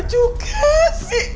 gak juga sih